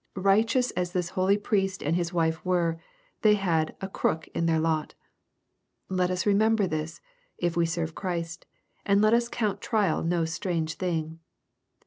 "Righteous" as this holy priest and his wife were, they had a "crook in their lot.*' Let us remember this, if we serve Christ, and let us count trial no strange thing.